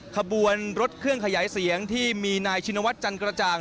ขบวนรถเครื่องขยายเสียงที่มีนายชินวัฒน์จันกระจ่าง